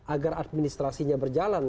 agar administrasinya berjalan